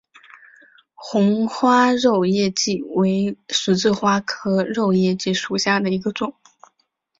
红花肉叶荠为十字花科肉叶荠属下的一个种。